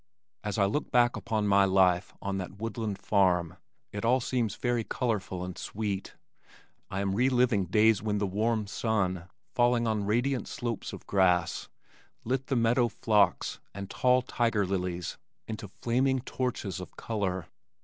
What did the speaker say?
As I look back upon my life on that woodland farm, it all seems very colorful and sweet. I am re living days when the warm sun, falling on radiant slopes of grass, lit the meadow phlox and tall tiger lilies into flaming torches of color.